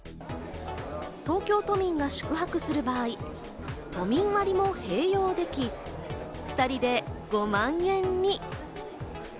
東京都民が宿泊する場合、都民割も併用でき、２人で５万円に。